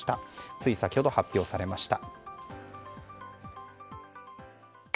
つい先ほど発表されました。